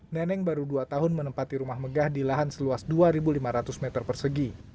neneng baru dua tahun menempati rumah megah di lahan seluas dua lima ratus meter persegi